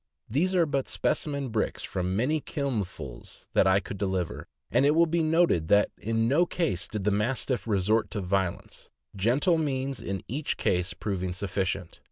These are but specimen bricks from many kilnfuls that I could deliver; and it will be noted that in no case did the Mastiff resort to violence, gentle means in each case proving sufficient.